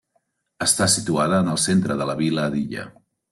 Està situada en el centre de la vila d'Illa.